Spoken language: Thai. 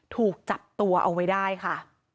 ถูกจับตัวเอาไว้ได้ค่ะ